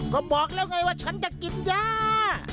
ก็บอกแล้วไงว่าฉันจะกินยา